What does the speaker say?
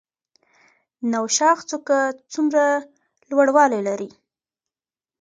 نوشاخ څوکه څومره لوړوالی لري؟